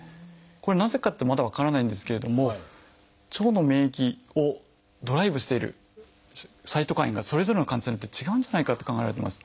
これなぜかってまだ分からないんですけれども腸の免疫ドライブしているサイトカインがそれぞれの患者さんによって違うんじゃないかって考えられてます。